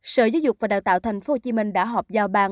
sở giáo dục và đào tạo thành phố hồ chí minh đã họp giao bang